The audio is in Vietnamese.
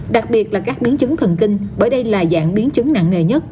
đặc biệt là các biến chứng thần kinh bởi đây là dạng biến chứng nặng nề nhất